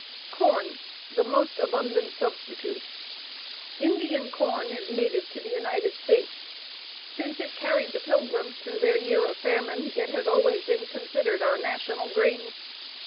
Corn, the most abundant substitute. Indian corn is native to the United States. Since it carried the Pilgrims through their year of famine, it has always been considered our national grain.